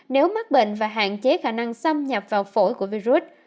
nếu mắc bệnh và hạn chế khả năng xâm nhập vào phổi của virus